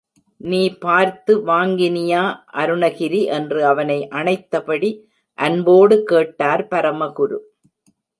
நீ பார்த்து வாங்கினியா அருணாகிரி என்று அவனை அணைத்த படி அன்போடு கேட்டார் பரமகுரு.